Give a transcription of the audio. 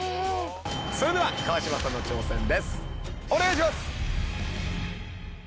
それでは川島さんの挑戦ですお願いします！